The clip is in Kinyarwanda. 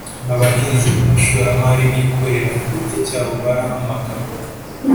abahinzi n abashoramari bikorera ku giti cyabo barahamagawe